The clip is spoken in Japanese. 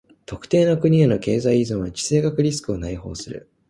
特定の国への経済依存は地政学リスクを内包する。